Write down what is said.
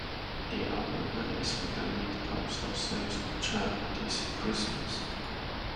The album unexpectedly tops the sales chart this Christmas.